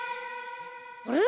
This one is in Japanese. あれ？